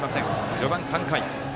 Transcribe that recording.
序盤、３回。